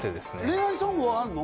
恋愛ソングはあんの？